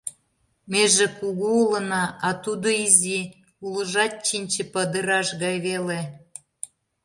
Меже кугу улына, а тудо изи, улыжат чинче падыраш гай веле.